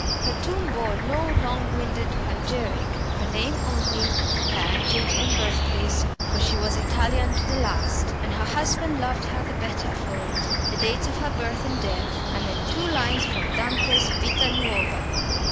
Her tomb bore no long winded panegyric. Her name only, her parentage and birthplace for she was Italian to the last, and her husband loved her the better for it the dates of her birth and death, and then two lines from Dante's Vita Nuova.